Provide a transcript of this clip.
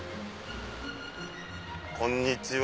こんにちは。